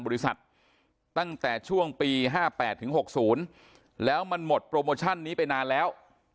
บริษัทตั้งแต่ช่วงปี๕๘ถึง๖๐แล้วมันหมดโปรโมชั่นนี้ไปนานแล้ว